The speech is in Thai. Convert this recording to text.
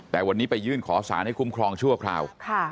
แต่วันนี้ไปยื่นขอสารให้คุ้มครองชั่วคราว